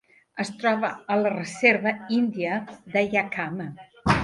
Es troba a la Reserva Índia de Yakama.